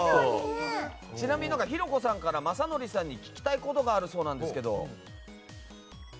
ちなみにひろこさんから雅紀さんに聞きたいことがあるそうですが。